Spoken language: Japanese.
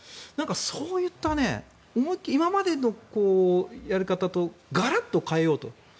そういった今までのやり方とガラッと変えようと。